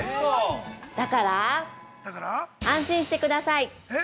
だから、安心してください。